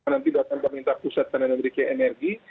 nanti doktor meminta pusat tni merdeka energi